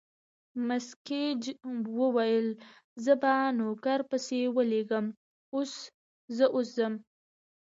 مس ګېج وویل: زه به نوکر پسې ولېږم، زه اوس ځم.